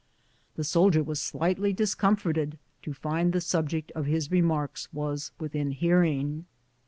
The soldier was slightly discomfited to find the subject of his remarks was within hearing.